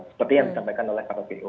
seperti yang disampaikan oleh pak rupio